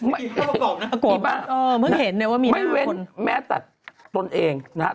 เมื่อกี้เข้าแล้วกล่อบนะพี่บ้านไม่เว้นแม้แต่ตนเองนะฮะ